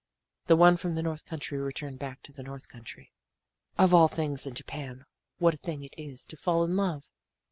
"The one from the north country returned back to the north country. "Of all things in Japan, what a thing it is to fall in love!